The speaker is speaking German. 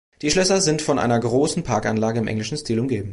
Die Schlösser sind von einer großen Parkanlage im englischen Stil umgeben.